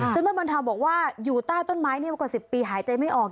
เจ้าแม่มณฑาบอกว่าอยู่ใต้ต้นไม้เนี่ยมากว่า๑๐ปีหายใจไม่ออก